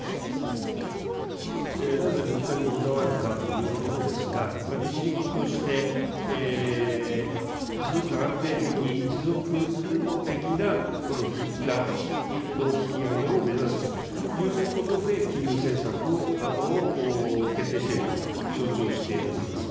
なぜ物価にこだわるかということですが、日銀として、安定的持続的なこの物価の引き上げを目指すということで金融政策を決定していると承知をしております。